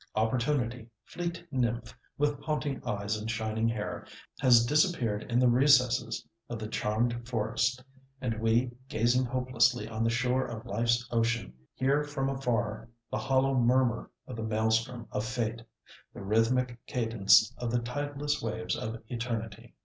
Opportunity, fleet nymph with haunting eyes and shining hair, has disappeared in the recesses of the charmed forest, and we, gazing hopelessly on the shore of life's ocean, hear from afar the hollow murmur of the maelstrom of Fate—the rhythmic cadence of the tideless waves of eternity.